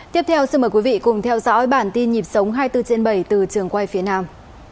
tiếp theo xin mời quý vị cùng theo dõi bản tin nhịp sống hai mươi bốn trên bảy từ trường quay phía nam